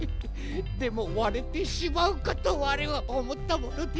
でもわれてしまうかとわれはおもったものですから。